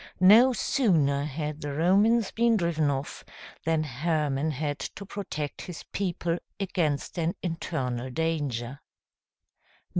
No sooner had the Romans been driven off, than Hermann had to protect his people against an internal danger.